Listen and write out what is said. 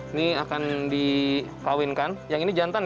ini akan dikawinkan yang ini jantan ya